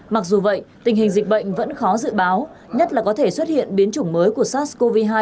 mặc dù vậy tình hình dịch bệnh vẫn khó dự báo nhất là có thể xuất hiện biến chủng mới của sars cov hai